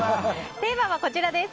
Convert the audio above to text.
テーマはこちらです。